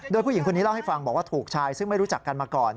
โดยผู้หญิงคนนี้เล่าให้ฟังบอกว่าถูกชายซึ่งไม่รู้จักกันมาก่อน